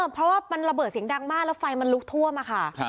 เพราะว่ามันระเบิดเสียงดังมากแล้วไฟมันลุกท่วมค่ะ